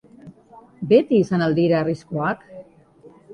Beti izan al dira harrizkoak?